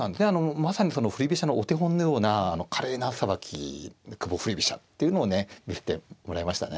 まさにその振り飛車のお手本のような華麗なさばき久保振り飛車っていうのをね見せてもらいましたね。